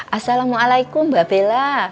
assalamualaikum mbak bella